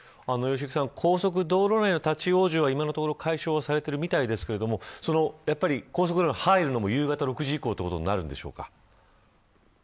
高速道路内の立ち往生は今のところ解消されているみたいですが高速道路に入るのも夕方６時以降となるのでしょうか。